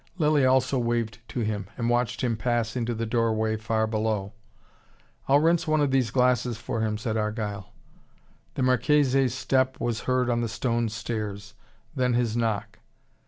Lilly also waved to him and watched him pass into the doorway far below. "I'll rinse one of these glasses for him," said Argyle. The Marchese's step was heard on the stone stairs: then his knock.